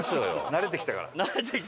慣れてきたから。